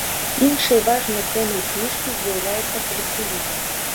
Іншай важнай тэмай кніжкі з'яўляецца калектывізм.